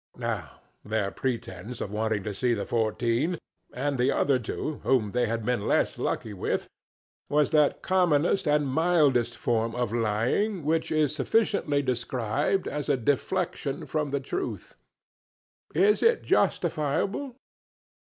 Now their pretence of wanting to see the fourteen and the other two whom they had been less lucky with was that commonest and mildest form of lying which is sufficiently described as a deflection from the truth. Is it justifiable?